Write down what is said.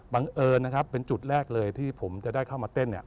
เอิญนะครับเป็นจุดแรกเลยที่ผมจะได้เข้ามาเต้นเนี่ย